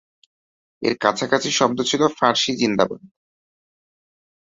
এর কাছাকাছি শব্দ ছিল ফার্সি "জিন্দাবাদ"।